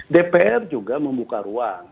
dpr juga membuka ruang